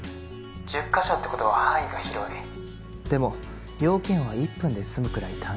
「１０カ所って事は範囲が広い」でも用件は１分で済むくらい単純。